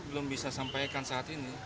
belum bisa sampaikan saat ini